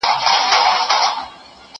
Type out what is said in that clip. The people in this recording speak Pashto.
زه کولای سم کتابتون ته راشم!.